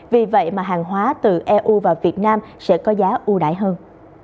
vì vậy mà hàng hóa từ eu và việt nam sẽ có giá ưu đại hơn